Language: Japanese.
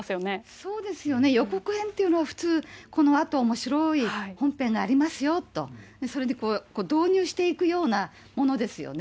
そうですよね、予告編というのは普通、このあとおもしろい本編がありますよと、それで導入していくようなものですよね。